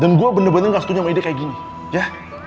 dan gue bener bener gak setuju sama ide kayak gini ya